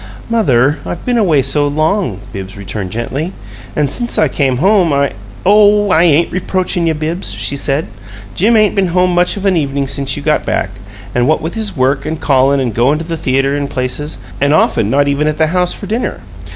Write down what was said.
"Mother, I've been away so long," Bibbs returned, gently. "And since I came home I " "Oh, I ain't reproachin' you, Bibbs," she said. "Jim ain't been home much of an evening since you got back what with his work and callin' and goin' to the theater and places, and often not even at the house for dinner.